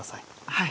はい。